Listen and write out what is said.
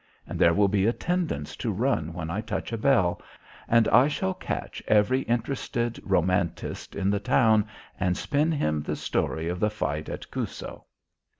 And there will be attendants to run when I touch a bell, and I shall catch every interested romantist in the town, and spin him the story of the fight at Cusco."